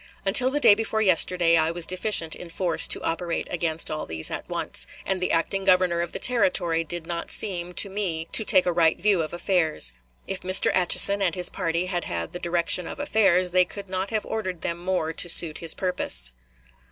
Until the day before yesterday I was deficient in force to operate against all these at once; and the acting Governor of the Territory did not seem to me to take a right view of affairs. If Mr. Atchison and his party had had the direction of affairs, they could not have ordered them more to suit his purpose."